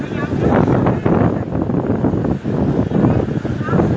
นั่นซักคน